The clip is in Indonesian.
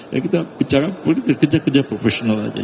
ya kita bicara politik kerja kerja profesional aja